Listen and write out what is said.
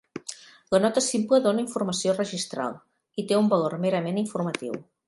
La nota simple dona informació registral i té un valor merament informatiu.